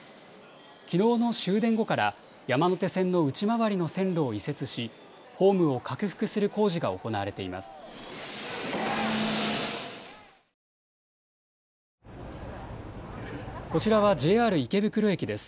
きのうの終電後から山手線の内回りの線路を移設し、ホームを拡幅する工事が行われています。